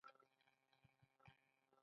ایا زه باید چغندر وخورم؟